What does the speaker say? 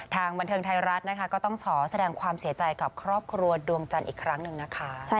บันเทิงไทยรัฐนะคะก็ต้องขอแสดงความเสียใจกับครอบครัวดวงจันทร์อีกครั้งหนึ่งนะคะ